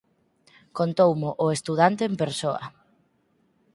Contoumo o estudante en persoa.